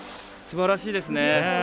すばらしいですね。